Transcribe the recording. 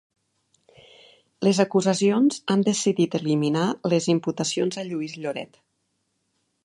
Les acusacions han decidit eliminar les imputacions a Lluís Lloret.